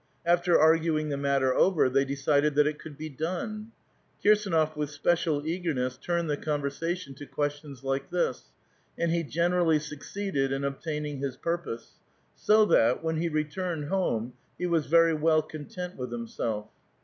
After arguing the matter over, they decided that it could be done. Kirsdnof, with special eagerness, turned the conversation to questions like this, and he generally succeeded in obtaining his purpose. So that, when he returned home, he was very well content with himself.